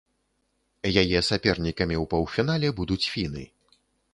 Яе сапернікамі ў паўфінале будуць фіны.